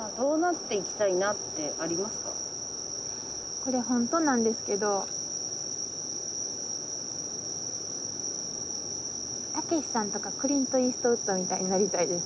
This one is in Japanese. これホントなんですけどたけしさんとかクリント・イーストウッドみたいになりたいです。